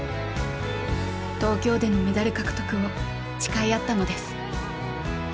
東京でのメダル獲得を誓い合ったのです。